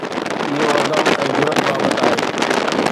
اهو عزم ۽ جرئت بابت آهي.